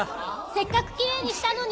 せっかくきれいにしたのに！